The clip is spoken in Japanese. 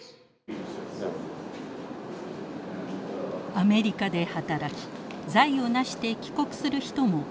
アメリカで働き財を成して帰国する人も相次いでいます。